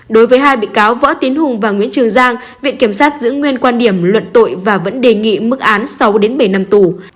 đối với hai bị cáo võ tiến hùng và nguyễn trường giang viện kiểm sát giữ nguyên quan điểm luận tội và vẫn đề nghị mức án sáu bảy năm tù